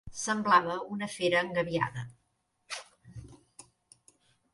Semblava una fera engabiada.